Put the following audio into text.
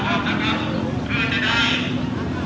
การประตูกรมทหารที่สิบเอ็ดเป็นภาพสดขนาดนี้นะครับ